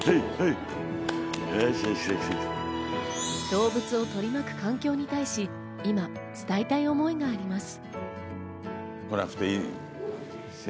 動物を取り巻く環境に対し、今伝えたい思いがあります。